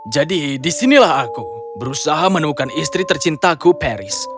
jadi disinilah aku berusaha menemukan istri tercintaku paris